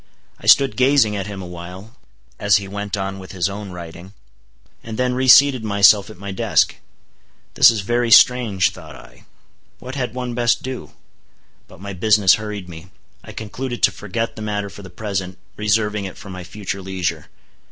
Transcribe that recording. I stood gazing at him awhile, as he went on with his own writing, and then reseated myself at my desk. This is very strange, thought I. What had one best do? But my business hurried me. I concluded to forget the matter for the present, reserving it for my future leisure.